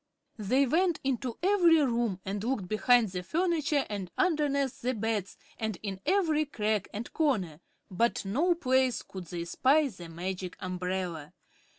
They went into every room and looked behind the furniture and underneath the beds and in every crack and corner, but no place could they spy the Magic Umbrella.